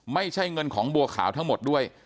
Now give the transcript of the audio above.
ไม่ใช่เงินของบัวขาวทั้งหมดด้วย